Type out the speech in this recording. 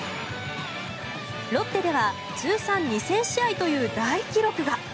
ロッテでは通算２０００試合という大記録が。